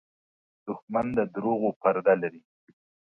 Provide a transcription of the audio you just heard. دښمن د دروغو پرده لري